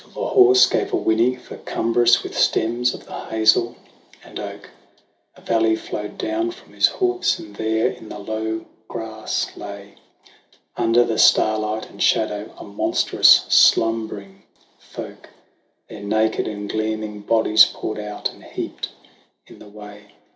Till the horse gave a whinny; for, cumbrous with stems of the hazel and oak, A valley flowed down from his hoofs, and there in the long grass lay, Under the starlight and shadow, a monstrous slumbering folk, Their naked and gleaming bodies poured out and heaped in the way.